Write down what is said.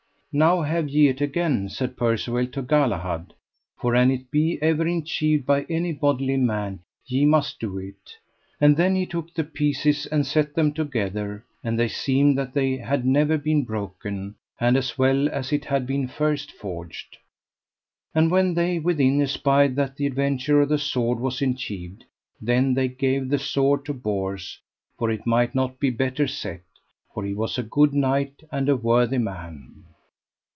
Now have ye it again, said Percivale to Galahad, for an it be ever enchieved by any bodily man ye must do it. And then he took the pieces and set them together, and they seemed that they had never been broken, and as well as it had been first forged. And when they within espied that the adventure of the sword was enchieved, then they gave the sword to Bors, for it might not be better set; for he was a good knight and a worthy man.